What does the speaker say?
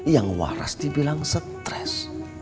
yang waras dibilang stress